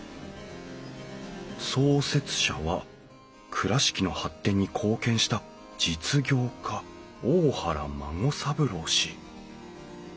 創設者は倉敷の発展に貢献した実業家大原孫三郎氏」